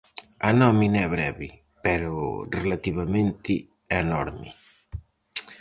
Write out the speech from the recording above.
A nómina é breve, pero relativamente enorme.